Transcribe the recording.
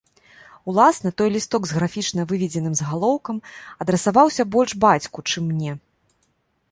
Уласна, той лісток з графічна выведзеным загалоўкам адрасаваўся больш бацьку, чым мне.